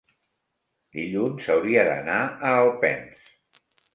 dilluns hauria d'anar a Alpens.